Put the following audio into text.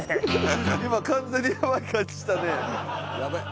今完全にヤバい感じしたねヤベッ